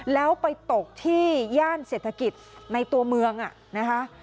แล้วไปตกที่ย่านเศรษฐกิจในตัวเมืองนะคะ